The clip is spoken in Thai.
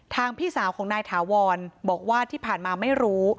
พี่สาวของนายถาวรบอกว่าที่ผ่านมาไม่รู้